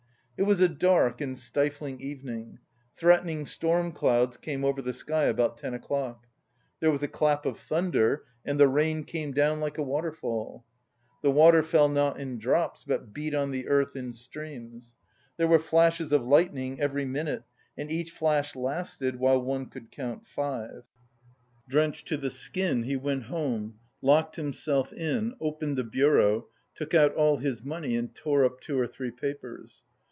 It was a dark and stifling evening. Threatening storm clouds came over the sky about ten o'clock. There was a clap of thunder, and the rain came down like a waterfall. The water fell not in drops, but beat on the earth in streams. There were flashes of lightning every minute and each flash lasted while one could count five. Drenched to the skin, he went home, locked himself in, opened the bureau, took out all his money and tore up two or three papers.